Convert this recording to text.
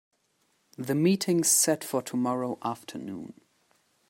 The meeting's set for tomorrow afternoon.